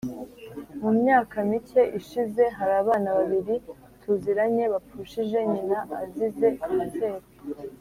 Mu myaka mike ishize hari abana babiri tuziranye bapfushije nyina azize kanseri